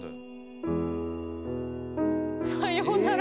さようなら。